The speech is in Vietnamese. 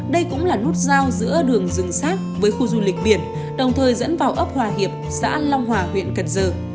đây cũng là nút giao giữa đường rừng sát với khu du lịch biển đồng thời dẫn vào ấp hòa hiệp xã long hòa huyện cần giờ